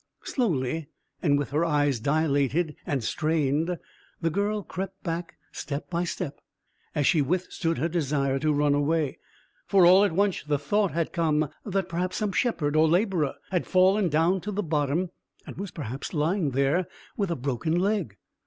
Slowly, and with her eyes dilated and strained, the girl crept back step by step, as she withstood her desire to run away, for all at once the thought had come that perhaps some shepherd or labourer had fallen down to the bottom, and was perhaps lying here with a broken leg.